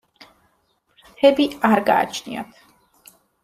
ფრთები არ გააჩნიათ.